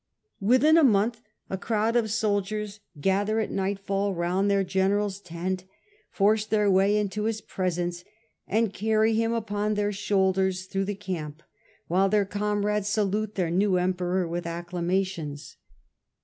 Within a month a crowd of soldiers gather at nightfall round their general's tent, force their way into his pre sence, and carry him upon their shoulders through the camp, while their comrades salute their new Emperor with acclamations.